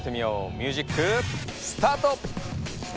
ミュージックスタート！